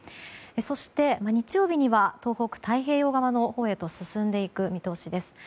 そして、日曜日には東北太平洋側のほうへと進んでいく見通しです。